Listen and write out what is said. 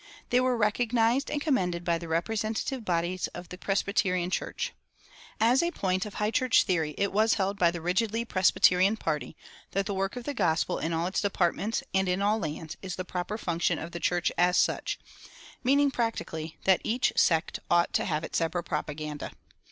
They were recognized and commended by the representative bodies of the Presbyterian Church. As a point of high church theory it was held by the rigidly Presbyterian party that the work of the gospel in all its departments and in all lands is the proper function of "the church as such" meaning practically that each sect ought to have its separate propaganda.